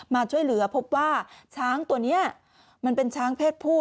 มาช่วยเหลือพบว่าช้างตัวนี้มันเป็นช้างเพศผู้